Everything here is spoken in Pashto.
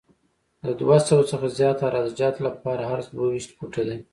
د دوه سوه څخه زیات عراده جاتو لپاره عرض دوه ویشت فوټه دی